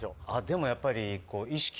でもやっぱり。